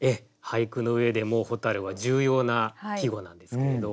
俳句の上でも「蛍」は重要な季語なんですけれど。